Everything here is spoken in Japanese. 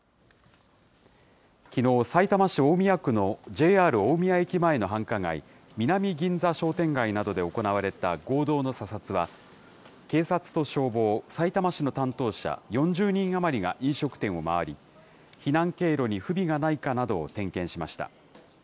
きのう、さいたま市大宮区のＪＲ大宮駅前の繁華街、南銀座商店街などで行われた合同の査察は、警察と消防、さいたま市の担当者４０人余りが飲食店を回り、避難経路に不備がないかなどを点検しました。